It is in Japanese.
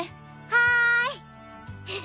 はい！